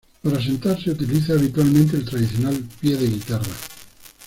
Para sentarse utiliza habitualmente el tradicional "pie de guitarra".